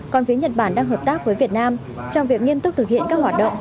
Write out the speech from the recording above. còn phía nhật bản đang hợp tác với việt nam trong việc nghiêm túc thực hiện các hoạt động